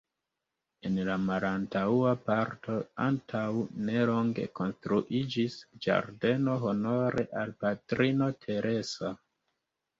En la malantaŭa parto antaŭnelonge konstruiĝis ĝardeno honore al Patrino Teresa.